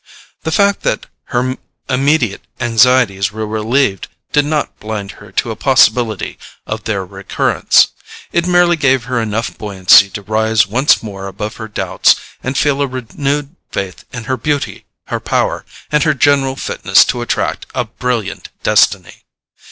The fact that her immediate anxieties were relieved did not blind her to a possibility of their recurrence; it merely gave her enough buoyancy to rise once more above her doubts and feel a renewed faith in her beauty, her power, and her general fitness to attract a brilliant destiny.